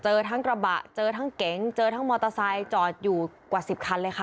เจอทั้งมอเตอร์ไซด์หรือจอดอยู่กว่า๑๐คันเลยค่ะ